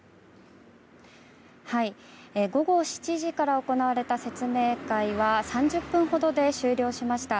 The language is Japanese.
午後７時から行われた説明会は３０分ほどで終了しました。